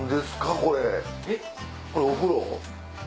これお風呂？